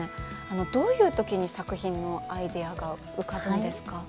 どういう時に作品のアイデアが浮かぶんですか？